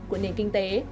của nền kinh tế